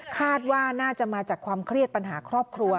คาดว่าน่าจะมาจากความเครียดปัญหาครอบครัว